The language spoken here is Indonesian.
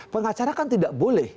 pengacara kan tidak boleh